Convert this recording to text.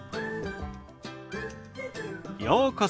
ようこそ。